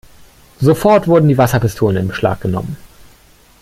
Sofort wurden die Wasserpistolen in Beschlag genommen.